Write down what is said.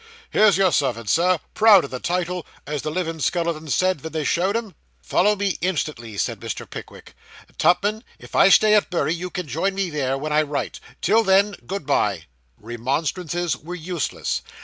'Here's your servant, Sir. Proud o' the title, as the living skellinton said, ven they show'd him.' 'Follow me instantly,' said Mr. Pickwick. 'Tupman, if I stay at Bury, you can join me there, when I write. Till then, good bye!' Remonstrances were useless.